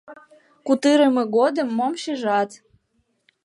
— Кутырымо годым мом шижат?